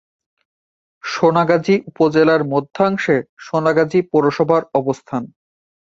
সোনাগাজী উপজেলার মধ্যাংশে সোনাগাজী পৌরসভার অবস্থান।